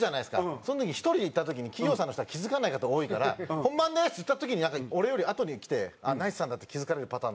その時１人で行った時に企業さんの人は気付かない方が多いから「本番です！」って言った時に俺よりあとに来て「ナイツさんだ」って気付かれるパターンなんですよね。